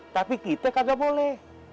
tapi kita kagak boleh